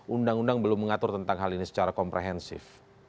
undang undang belum mengatur tentang hal ini secara komprehensif